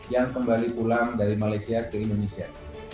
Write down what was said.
yang kembali pulang dari malaysia ke indonesia